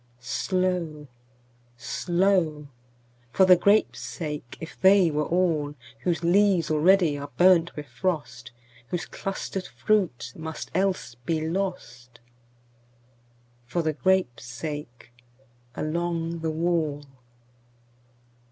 Slow, slow! For the grapes' sake, if they were all, Whose leaves already are burnt with frost, Whose clustered fruit must else be lost—For the grapes' sake along the wall.